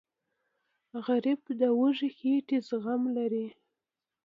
غریب د وږې خېټې زغم لري